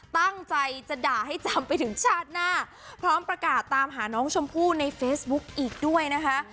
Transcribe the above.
ตั้งใจจะด่าให้จำไปถึงชาติหน้าพร้อมประกาศตามหาน้องชมพู่ในเฟซบุ๊กอีกด้วยนะคะ